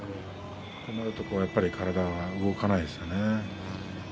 そうなると体が動かないですよね。